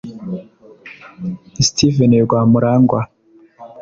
Steven Rwamurangwa